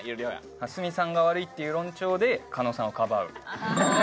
「ハスミさんが悪いっていう論調で加納さんをかばう」